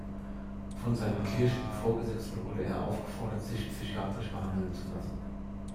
Von seinen kirchlichen Vorgesetzten wurde er aufgefordert, sich psychiatrisch behandeln zu lassen.